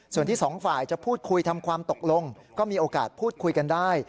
ส่วนที่สองฝ่ายจะพูดคุยทำความตกลงก็มีโอกาสพูดคุยกันได้